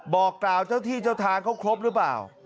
บอกกล่าวเจ้าที่เจ้าทางเขาครบหรือเปล่า